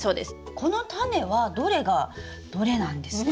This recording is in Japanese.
このタネはどれがどれなんですか？